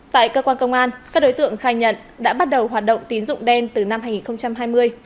tại cơ quan công an các đối tượng khai nhận đã bắt đầu hoạt động tín dụng đen từ năm hai nghìn hai mươi